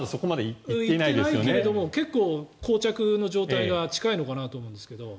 行っていないけれど結構、こう着の状態が近いのかなと思うんですけど。